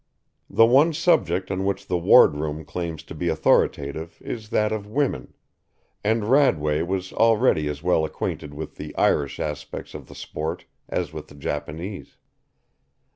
The one subject on which the wardroom claims to be authoritative is that of women; and Radway was already as well acquainted with the Irish aspects of the sport as with the Japanese.